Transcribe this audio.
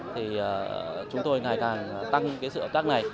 thì chúng tôi ngày càng tăng cái sự hợp tác này